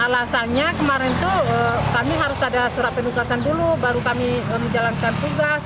alasannya kemarin itu kami harus ada surat penugasan dulu baru kami menjalankan tugas